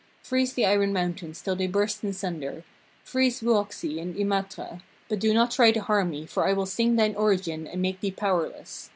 Freeze the iron mountains till they burst in sunder; freeze Wuoksi and Imatra, but do not try to harm me, for I will sing thine origin and make thee powerless.